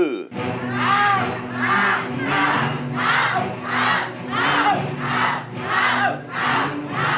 กลับ